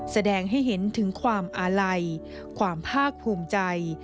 แสดงให้เห็นถึงความอาลัยความภาคภูมิใจ